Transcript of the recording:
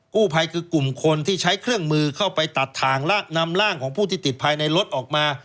กู้ภัยคือกลุ่มคนที่ใช้เครื่องมือเข้าไปตัดถ่างและนำร่างของผู้ที่ติดภายในรถออกมา